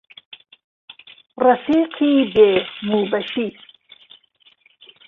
ڕەفیقی بێ موبەشیر